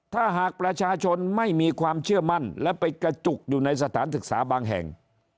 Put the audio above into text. ถ้าหากประชาชนไม่มีความเชื่อมั่นและไปกระจุกอยู่ในสถานศึกษาบางแห่ง